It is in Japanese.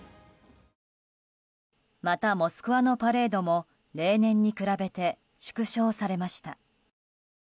また、モスクワのパレードも例年に比べて縮小されました。